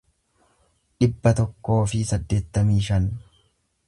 dhibba tokkoo fi saddeettamii shan